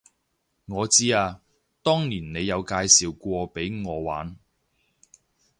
我知啊，當年你有介紹過畀我玩